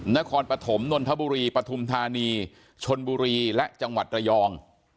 นครปฐมนนทบุรีปฐุมธานีชนบุรีและจังหวัดระยอง